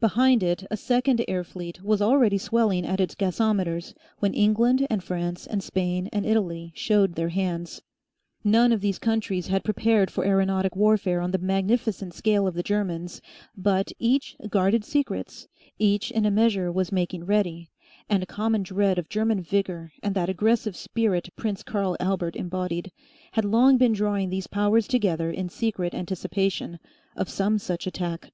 Behind it a second air fleet was already swelling at its gasometers when England and France and Spain and Italy showed their hands. None of these countries had prepared for aeronautic warfare on the magnificent scale of the Germans, but each guarded secrets, each in a measure was making ready, and a common dread of German vigour and that aggressive spirit Prince Karl Albert embodied, had long been drawing these powers together in secret anticipation of some such attack.